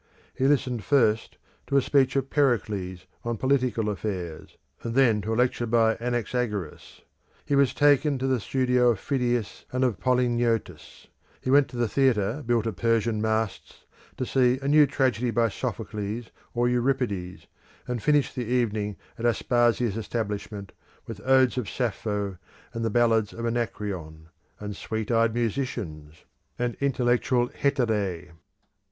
He listened first to a speech of Pericles on political affairs, and then to a lecture by Anaxagoras. He was taken to the studio of Phidias and of Polygnotus: he went to a theatre built of Persian masts to see a new tragedy by Sophocles or Euripides, and finished the evening at Aspasia's establishment, with odes of Sappho, and ballads of Anacreon, and sweet eyed musicians, and intellectual Heterae.